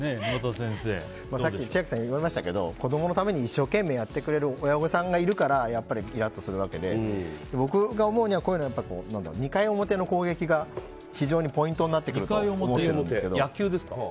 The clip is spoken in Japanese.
さっき千秋さんが言われましたけど子供のために一生懸命やってくれる親御さんがいるからイラッとするわけで僕が思うにはこういうのは、２回表の攻撃が非常にポイントになってくると野球ですか？